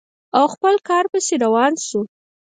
او خپل کار پسې روان شو.